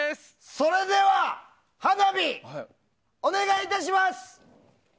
それでは花火お願いいたします。